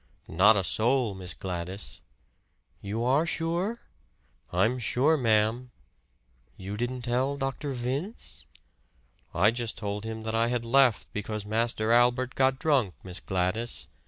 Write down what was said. "Not a soul, Miss Gladys." "You are sure?" "I'm sure, ma'am." "You didn't tell Dr. Vince?" "I just told him that I had left because Master Albert got drunk, Miss Gladys.